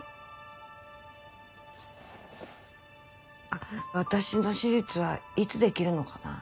あっ私の手術はいつできるのかな？